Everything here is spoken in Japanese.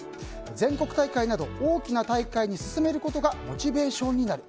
全国大会など大きな大会に進めることがモチベーションになる。